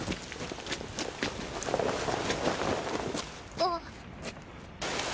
あっ。